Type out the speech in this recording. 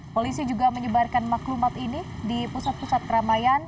polisi juga menyebarkan maklumat ini di pusat pusat keramaian